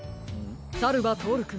さるばとおるくん。